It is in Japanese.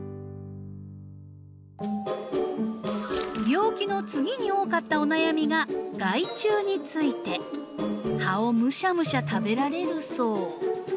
病気の次に多かったお悩みが害虫について。葉をむしゃむしゃ食べられるそう。